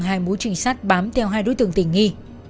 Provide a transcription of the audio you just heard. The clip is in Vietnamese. hai mũ trinh sát bám theo hai đối tượng tình nghi